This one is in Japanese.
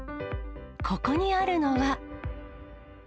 ここにあるのは。